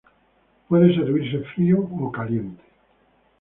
Puede servirse frío o caliente.